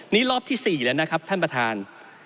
นี่รอบที่๔แล้วนะครับท่านประธาน